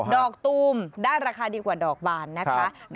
ตูมได้ราคาดีกว่าดอกบานนะคะ